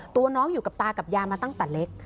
ตัวน้องอยู่กับตากับยามาตั้งแต่เล็ก